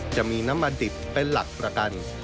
จะมีน้ำมันดิบเป็นหลักประกัน